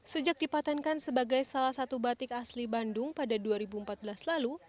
sejak dipatenkan sebagai salah satu batik asli bandung pada dua ribu empat belas lalu